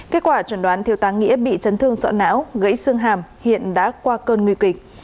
kết quả chuẩn đoán thiếu tá nghĩa bị chấn thương sọ não gãy xương hàm hiện đã qua cơn nguy kịch